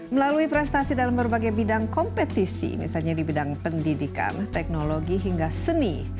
melalui prestasi dalam berbagai bidang kompetisi misalnya di bidang pendidikan teknologi hingga seni